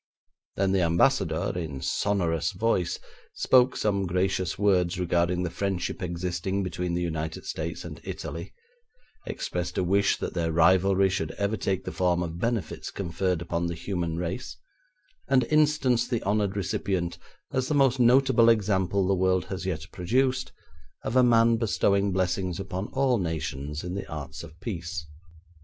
Then the Ambassador, in sonorous voice, spoke some gracious words regarding the friendship existing between the United States and Italy, expressed a wish that their rivalry should ever take the form of benefits conferred upon the human race, and instanced the honoured recipient as the most notable example the world had yet produced of a man bestowing blessings upon all nations in the arts of peace.